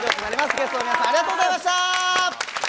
ゲストの皆さん、ありがとうございました。